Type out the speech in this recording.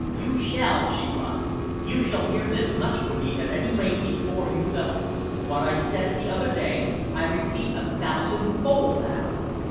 You shall!" she cried. "You shall hear this much from me, at any rate, before you go. What I said the other day I repeat a thousandfold now."